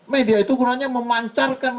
media itu gunanya memancarkan